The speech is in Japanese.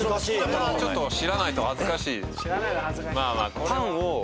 ・ちょっと知らないと恥ずかしいですああ